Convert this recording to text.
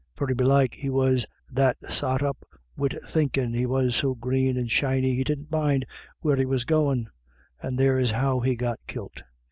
"Very belike he was that sot up wid thinkin' he was so green and shiny, he didn't mind where he was goin', and there's how he got kilt.